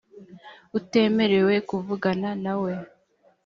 utemerewe kuvugana na we